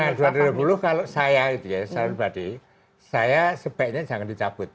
nah dua ribu dua puluh kalau saya gitu ya saya sebaiknya jangan dicabut